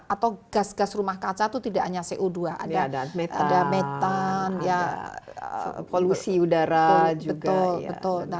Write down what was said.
atau gas gas rumah kaca itu tidak hanya co dua ada metan polusi udara